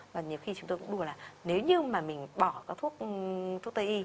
và nhiều khi chúng tôi cũng buồn là nếu như mà mình bỏ các thuốc tây y